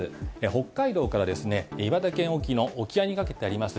北海道から岩手県沖の沖合にかけてあります